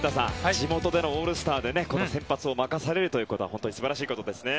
地元でのオールスターで先発を任されるというのは本当に素晴らしいことですね。